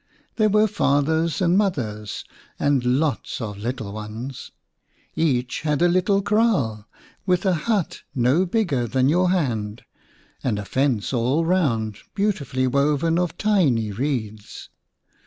There were fathers and mothers and lots of little ones. Each had his little kraal with a hut no bigger than your hand, and a fence all round beautifully woven of tiny reeds.